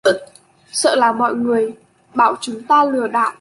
sợ là mọi người bảo chúng ta lừa đảo